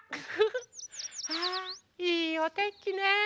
わあいいおてんきね。